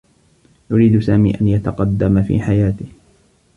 يريد سامي أن يتقدّم في حياته.